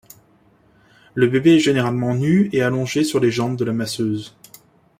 Le bébé est généralement nu et allongé sur les jambes de la masseuse.